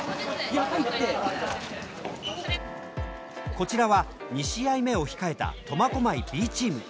こちらは２試合目を控えた苫小牧Ｂチーム。